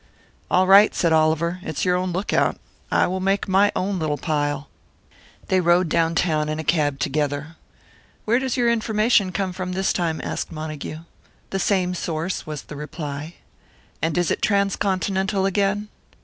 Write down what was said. "All right," said Oliver; "it's your own lookout. I will make my own little pile." They rode down town in a cab together. "Where does your information come from this time?" asked Montague. "The same source," was the reply. "And is it Transcontinental again?"